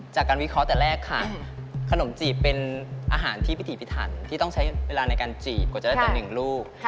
วิเคราะห์แต่แรกค่ะขนมจีบเป็นอาหารที่พิถีพิถันที่ต้องใช้เวลาในการจีบกว่าจะได้ต่อ๑ลูก